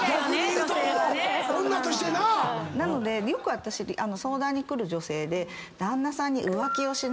なのでよく私相談に来る女性で旦那さんに。